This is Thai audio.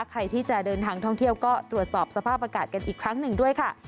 ใครที่จะเดินทางท่องเที่ยวก็ตรวจสอบสภาพอากาศกันอีกครั้งหนึ่งด้วยค่ะ